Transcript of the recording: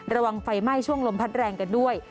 ระวังไฟไหม้ช่วงลมพัดแรงกันด้วย